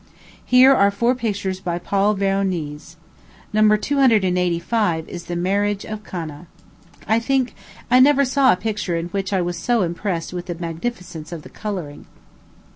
Here are four pictures by Paul Veronese. No. 285 is the Marriage of Cana. I think I never saw a picture in which I was so impressed with the magnificence of the coloring.